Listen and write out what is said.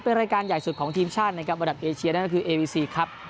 เป็นรายการใหญ่สุดของทีมชาตินะครับระดับเอเชียนั่นก็คือเอวีซีครับ